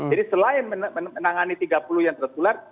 jadi selain menangani tiga puluh yang tertular